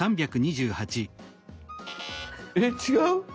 えっ違う！